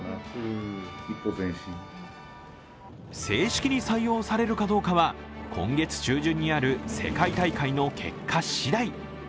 正式に採用されるかどうかは今月中旬にある世界大会の結果次第。